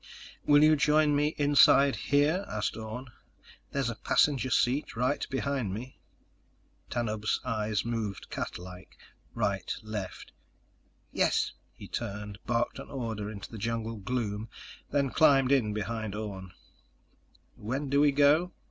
"Will you join me inside here?" asked Orne. "There's a passenger seat right behind me." Tanub's eyes moved catlike: right, left. "Yes." He turned, barked an order into the jungle gloom, then climbed in behind Orne. "When do we go?"